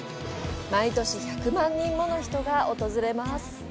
毎年１００万人もの人が訪れます。